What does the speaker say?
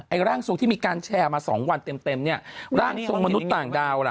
ร่างทรงที่มีการแชร์มาสองวันเต็มเต็มเนี่ยร่างทรงมนุษย์ต่างดาวล่ะ